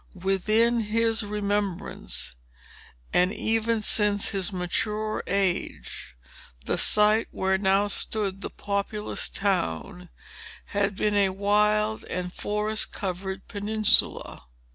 Within his remembrance, and even since his mature age, the site where now stood the populous town, had been a wild and forest covered peninsula.